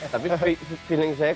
tapi perasaan saya